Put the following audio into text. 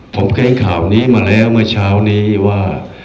ผมเกรงข่าวนี้มาแล้วเมื่อเช้านี้ว่า